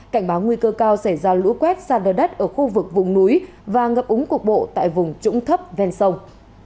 cảnh báo nguy cơ cao sẽ ra lũ quét sang đờ đất ở khu vực vùng núi và ngập úng cuộc bộ tại vùng trũng thấp ven sông